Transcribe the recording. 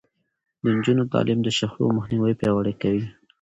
د نجونو تعليم د شخړو مخنيوی پياوړی کوي.